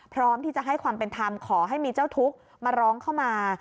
พร้อมที่จะให้ความเป็นธรรมขอให้มีเจ้าทุกข์มาร้องเข้ามา